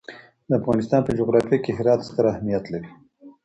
د افغانستان په جغرافیه کې هرات ستر اهمیت لري.